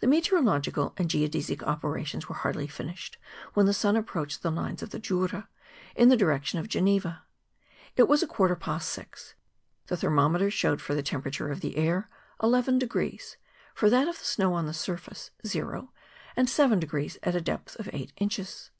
The meteorological and geodesic operations were hardly finished when the sun approached the lines of the Jura, in the direction of Greneva; it was a quarter past six; the thermometer showed for the temperature of the air, 11°; for that of the snow on the surface, zero, and 7° at the depth of 8 inches.